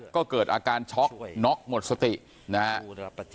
ก็เกิดอาการช็อกน็อกหมดสตินะครับ